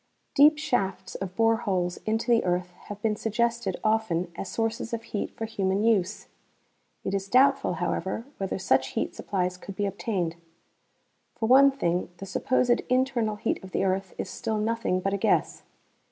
Deep shafts of bore holes into the earth have been suggested often as sources of heat for human use. It is doubtful, however, whether such heat supplies could be obtained. For one thing, the supposed internal heat of the earth is still nothing but a guess.